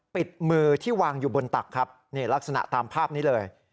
ปิดมือที่วางอยู่บนตักครับนี่ลักษณะตามภาพนี้เลย